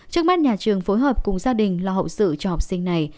trước mắt nhà trường phối hợp cùng gia đình lo hậu sự cho học sinh này